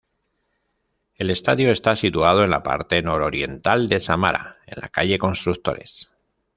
El estadio está situado en la parte nororiental de Samara en la calle Constructores.